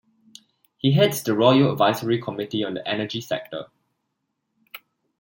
He heads the Royal Advisory Committee on the Energy Sector.